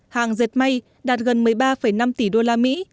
hàng dệt may đạt gần một mươi ba năm tỷ usd